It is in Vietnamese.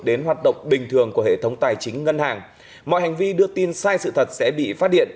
đến hoạt động bình thường của hệ thống tài chính ngân hàng mọi hành vi đưa tin sai sự thật sẽ bị phát điện